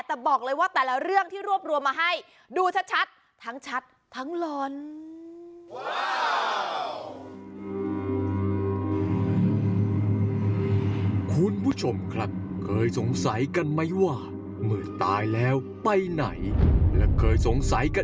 แต่บอกเลยว่าแต่ละเรื่องที่รวบรวมมาให้ดูชัดทั้งชัดทั้งหล่อน